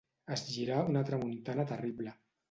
Es girà una tramuntana terrible.